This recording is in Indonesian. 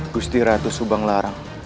gusti ratu subanglarang